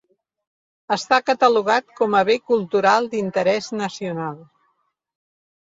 Està catalogat com a Bé Cultural d'Interès Nacional.